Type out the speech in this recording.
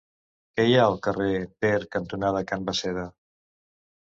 Què hi ha al carrer Ter cantonada Can Basseda?